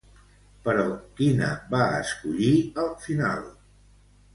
Però quina va escollir al final?